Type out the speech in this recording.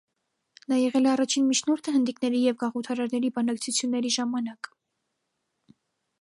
Նա եղել է առաջին միջնորդը հնդիկների և գաղութարարների բանակցությունների ժամանակ։